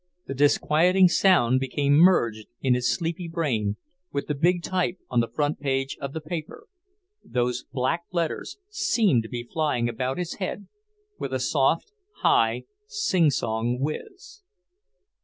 The disquieting sound became merged, in his sleepy brain, with the big type on the front page of the paper; those black letters seemed to be flying about his head with a soft, high, sing song whizz.